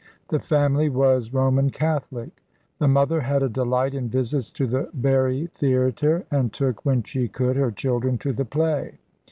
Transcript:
The family was Roman Catholic. The mother had a delight in visits to the Bury Theatre, and took, when she could, her children to the play.